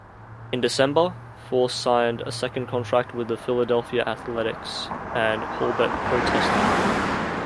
In December, Force signed a second contract with the Philadelphia Athletics, and Hulbert protested.